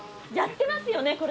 やってますよね？